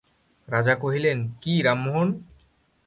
রাজা কহিলেন, কী রামমোহন।